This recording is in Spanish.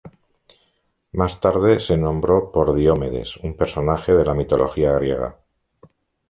Más tarde se nombró por Diomedes, un personaje de la mitología griega.